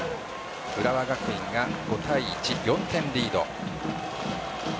浦和学院が５対１４点リード。